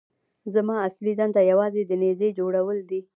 زما اصلي دنده یوازې د نيزې جوړول دي.